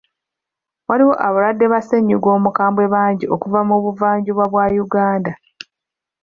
Waaliwo abalwadde ba ssennyiga omukambwe bangi okuva mu buvanjuba bwa Uganda.